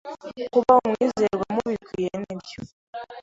Kuba umwizerwa mubikwiye nibyo.